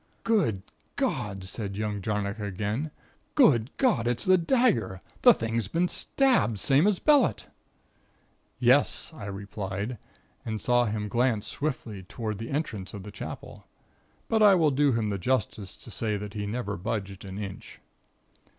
"Good God!" said young Jarnock again. "Good God! It's the dagger! The thing's been stabbed, same as Bellett!" "Yes," I replied, and saw him glance swiftly toward the entrance of the Chapel. But I will do him the justice to say that he never budged an inch.